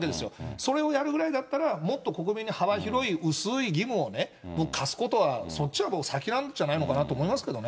それをやるくらいだったら、もっと国民に幅広い、薄い義務を課すことはそっちのほうが先なんじゃないかなと思いま